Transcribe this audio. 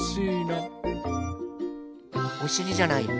おしりじゃないよ。